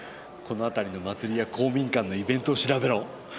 この辺りの祭りや公民館のイベントを調べろ。